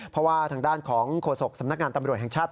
เพราะว่าทางด้านของโฆษกสำนักงานตำรวจแห่งชาติ